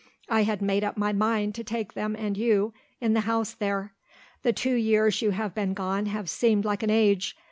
I had made up my mind to take them and you, in the house there. The two years you have been gone have seemed like an age.